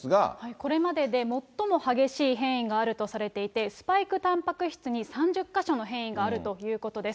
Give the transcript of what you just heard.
これまでで最も激しい変異があるとされていて、スパイクたんぱく質に３０か所の変異があるということです。